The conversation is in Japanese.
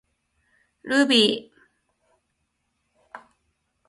ルビー